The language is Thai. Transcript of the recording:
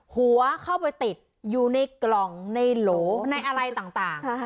หัวเข้าไปติดอยู่ในกล่องในโหลในอะไรต่าง